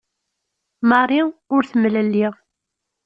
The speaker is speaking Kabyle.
Marie ur temlelli.